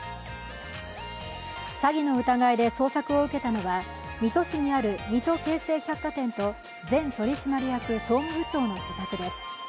詐欺の疑いで捜索を受けたのは水戸市にある水戸京成百貨店と前取締役総務部長の自宅です。